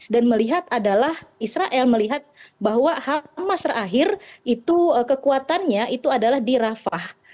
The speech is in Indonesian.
dan melihat adalah israel melihat bahwa hamas terakhir itu kekuatannya itu adalah dirafah